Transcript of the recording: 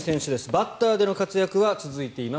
バッターでの活躍は続いています。